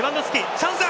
チャンスだ！